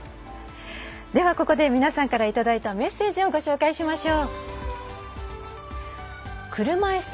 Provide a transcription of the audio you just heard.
ではここで皆さんからいただいたメッセージをご紹介しましょう。